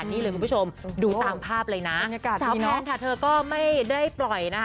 นี่เลยคุณผู้ชมดูตามภาพเลยนะพี่น้องค่ะเธอก็ไม่ได้ปล่อยนะคะ